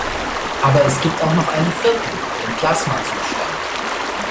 Aber es gibt auch noch einen vierten: Den Plasmazustand.